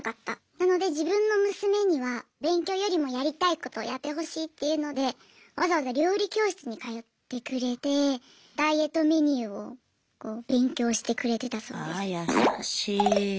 なので自分の娘には勉強よりもやりたいことやってほしいっていうのでわざわざ料理教室に通ってくれてダイエットメニューを勉強してくれてたそうです。